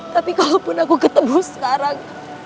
tapi kalaupun aku ketemu sekarang